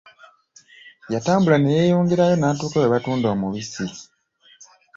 Yatambula ne yeeyongerayo n'atuuka we batunda omubisi.